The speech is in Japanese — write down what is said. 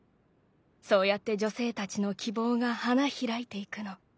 そうやって女性たちの希望が花開いていくの。